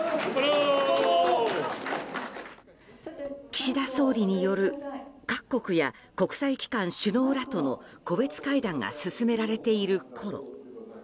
岸田総理による各国や国際機関首脳らとの個別会談が進められているころ